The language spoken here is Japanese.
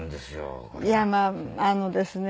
いやまああのですね